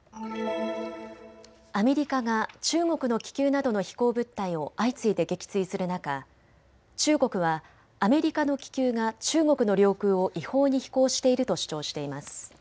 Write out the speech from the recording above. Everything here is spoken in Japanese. アメリカが中国の気球などの飛行物体を相次いで撃墜する中、中国はアメリカの気球が中国の領空を違法に飛行していると主張しています。